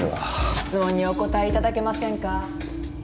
質問にお答え頂けませんか？